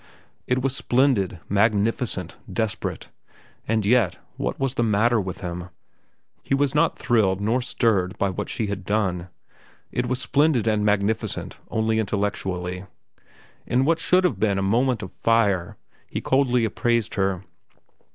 It was splendid, magnificent, desperate. And yet, what was the matter with him? He was not thrilled nor stirred by what she had done. It was splendid and magnificent only intellectually. In what should have been a moment of fire, he coldly appraised her.